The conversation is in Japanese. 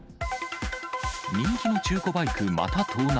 人気の中古バイク、また盗難。